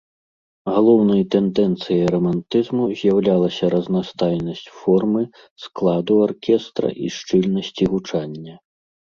Галоўнай тэндэнцыяй рамантызму з'яўлялася разнастайнасць формы, складу аркестра і шчыльнасці гучання.